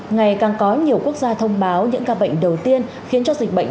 ngày càng có nhiều quốc gia thông báo những ca bệnh đầu tiên khiến cho dịch bệnh